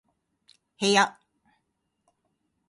部屋